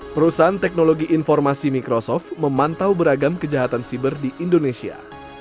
perusahaan teknologi informasi mikrosoft memantau beragam kejahatan siber di indonesia